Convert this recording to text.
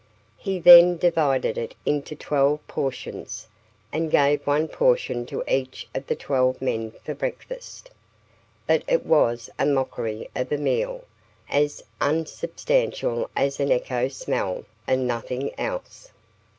He then divided it into twelve portions, and gave one portion to each of the twelve men for breakfast; but it was a mockery of a meal, as unsubstantial as an echo smell, and nothing else.